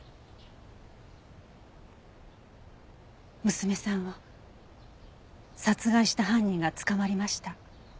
娘さんを殺害した犯人が捕まりました。